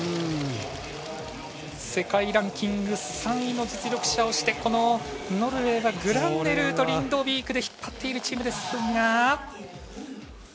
世界ランキング３位の実力者をしてこのノルウェーがグランネルーとリンドビークで引っ張っているチームですが。